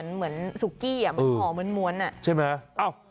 เหมือนสุกี้เหมือนเหมาะใช่ไหม